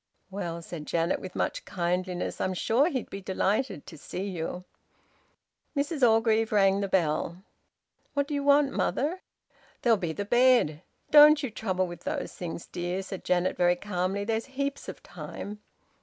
"Well," said Janet, with much kindliness, "I'm sure he'd be delighted to see you." Mrs Orgreave rang the bell. "What do you want, mother?" "There'll be the bed " "Don't you trouble with those things, dear," said Janet, very calmly. "There's heaps of time."